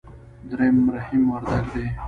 درېم رحيم وردګ دی.